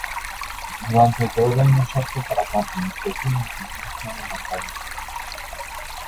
Durante todo el año es apto para camping, trekking y ciclismo de montaña.